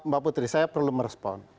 mbak putri saya perlu merespon